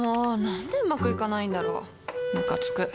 何でうまくいかないんだろうムカつく